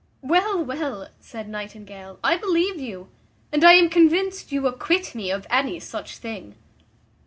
"Well, well," said Nightingale, "I believe you, and I am convinced you acquit me of any such thing."